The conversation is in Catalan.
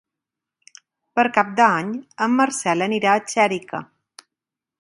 Per Cap d'Any en Marcel anirà a Xèrica.